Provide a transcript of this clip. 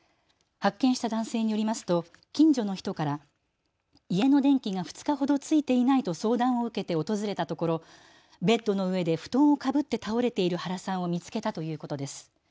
発見した男性によりますと近所の人から家の電気が２日ほどついていないと相談を受けて訪れたところベッドの上で布団をかぶって倒れている原さんを見つけたということです。